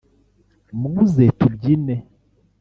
Muze tubyine